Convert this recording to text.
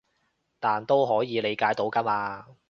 但都可以理解到㗎嘛